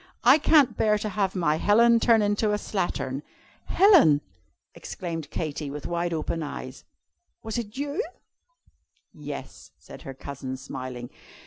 I can't bear to have my Helen turn into a slattern.'" "Helen!" exclaimed Katy, with wide open eyes, "was it you?" "Yes," said her cousin, smiling.